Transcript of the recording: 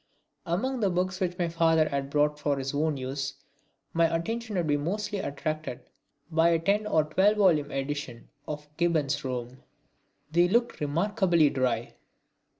Among the books which my father had brought for his own use, my attention would be mostly attracted by a ten or twelve volume edition of Gibbon's Rome. They looked remarkably dry.